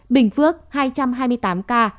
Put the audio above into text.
bình phước hai trăm hai mươi tám ca